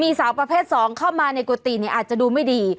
มีสาวประเภทสองเข้ามาในกวติเนี่ยอาจจะดูไม่ดี